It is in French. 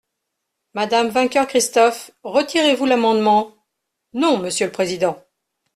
Madame Vainqueur-Christophe, retirez-vous l’amendement ? Non, monsieur le président.